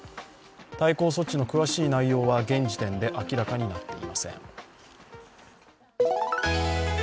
対抗措置の詳しい内容は現時点で明らかになっていません。